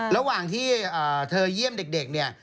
ระหว่างที่เธอเยี่ยมเด็กเนี่ย